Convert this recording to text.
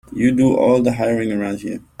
You do all the hiring around here.